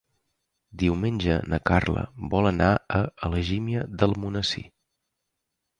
Diumenge na Carla vol anar a Algímia d'Almonesir.